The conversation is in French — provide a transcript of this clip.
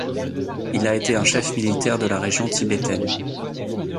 Il a été un chef militaire de la région tibétaine.